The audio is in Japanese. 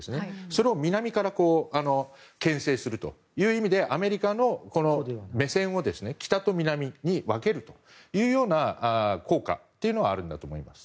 それを南から牽制するという意味でアメリカの目線を北と南に分けるという効果というのはあるんだと思います。